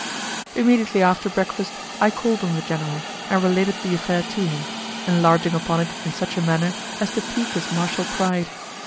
Immediately after breakfast, I called on the general, and related the affair to him, enlarging upon it in such a manner as to pique his martial pride.